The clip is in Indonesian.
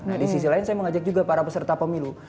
nah di sisi lain saya mengajak juga para peserta pemilu